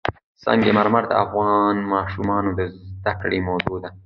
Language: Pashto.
سنگ مرمر د افغان ماشومانو د زده کړې موضوع ده.